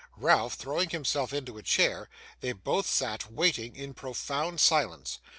Ralph, throwing himself into a chair, they both sat waiting in profound silence.